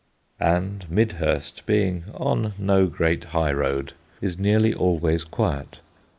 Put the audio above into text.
And Midhurst being on no great high road is nearly always quiet.